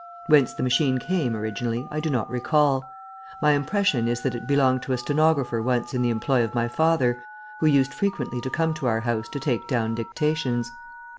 Whence the machine came originally I do not recall. My impression is that it belonged to a stenographer once in the employ of my father, who used frequently to come to our house to take down dictations.